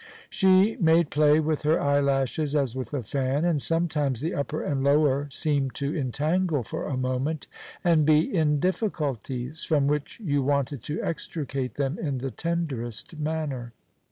She made play with her eyelashes as with a fan, and sometimes the upper and lower seemed to entangle for a moment and be in difficulties, from which you wanted to extricate them in the tenderest manner.